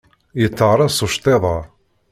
Yetteɣraṣ uceṭṭiḍ-a.